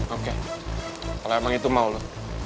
oke kalau emang itu mau loh